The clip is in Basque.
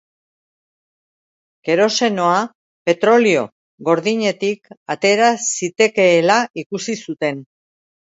Kerosenoa petrolio gordinetik atera zitekeela ikusi zuten.